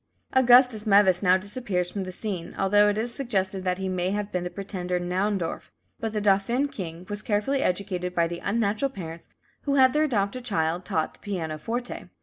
Augustus Meves now disappears from the scene, although it is suggested that he may have been the pretender Naundorff, but the "Dauphin King" was carefully educated by the unnatural parents, who had their adopted child taught the pianoforte.